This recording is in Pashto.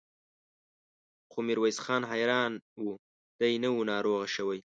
خو ميرويس خان حيران و، دی نه و ناروغه شوی.